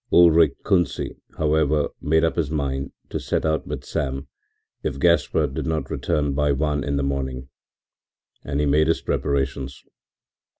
Ulrich Kunsi, however, made up his mind to set out with Sam if Gaspard did not return by one in the morning, and he made his preparations.